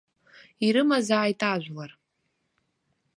Ирымазааит ажәлар.